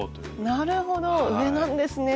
なるほど上なんですね。